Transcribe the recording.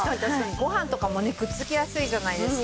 ご飯とかもねくっつきやすいじゃないですか。